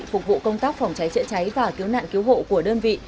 phục vụ công tác phòng cháy chữa cháy và cứu nạn cứu hộ của đơn vị